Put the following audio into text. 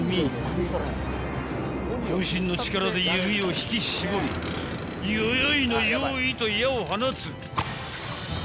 ［渾身の力で弓を引き絞りよよいのよいと矢を放つ］